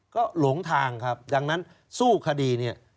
ก็หลงทางครับดังนั้นสู้คดีเนี่ย